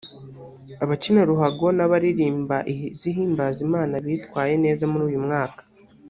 abakina ruhago n’abaririmba izihimbaza Imana bitwaye neza muri uyu mwaka